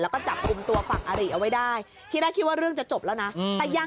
แล้วก็จับอุ้มตัวฝั่งอริเอาไว้ได้ที่ได้คิดว่าเรื่องจะจบแล้วนะ